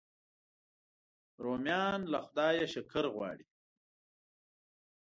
رومیان له خدایه شکر غواړي